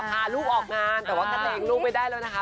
พาลูกออกงานแต่ว่ากระเลงลูกไม่ได้แล้วนะคะ